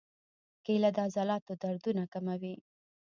کېله د عضلاتو دردونه کموي.